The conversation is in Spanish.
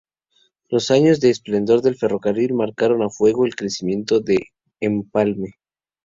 Los años de esplendor del ferrocarril marcaron a fuego el crecimiento de Empalme.